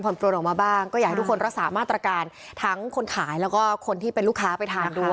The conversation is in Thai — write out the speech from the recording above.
ใช่ครับผมก็รู้สึกว่าเสียใจ